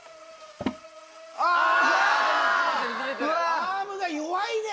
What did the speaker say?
アームが弱いねぇ！